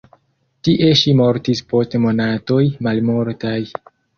Tie ŝi mortis post monatoj malmultaj.